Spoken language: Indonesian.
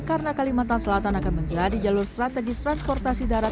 karena kalimantan selatan akan menjadi jalur strategis transportasi darat